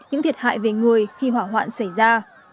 những thiệt hại về người khi hỏa hoạn xảy ra